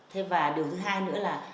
thế và điều thứ hai nữa là